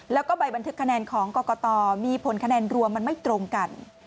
แล้วก็ใบบันทึกคะแนนของกรกตมีผลคะแนนรวมมันไม่ตรงกัน